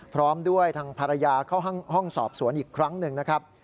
พร้อมด้วยทางภรรยาเข้าห้องสอบสวนอีกครั้งหนึ่งนะครับ